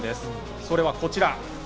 それはこちら。